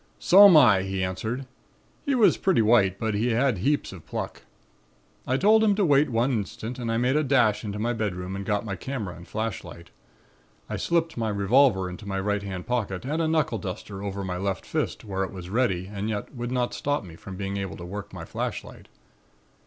"'So'm I,' he answered. He was pretty white, but he had heaps of pluck. I told him to wait one instant and I made a dash into my bedroom and got my camera and flashlight. I slipped my revolver into my right hand pocket and a knuckle duster over my left fist, where it was ready and yet would not stop me from being able to work my flashlight.